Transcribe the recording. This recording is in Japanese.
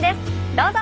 どうぞ！